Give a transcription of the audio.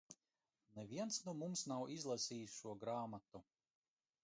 Neviens no mums nav izlasījis šo grāmatu.